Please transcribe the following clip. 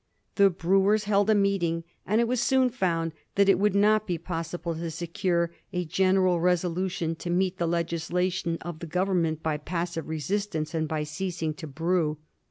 The brewers held a meeting, and it was soon found that it would not be possible to secure a general reso lution to meet the legislation jof the Government by passive resistance and by ceasing to brew.